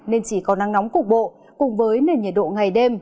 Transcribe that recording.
nên chỉ có nắng nóng cục bộ cùng với nền nhiệt độ ngày đêm